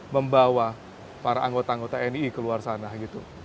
membawa para anggota anggota nii keluar sana gitu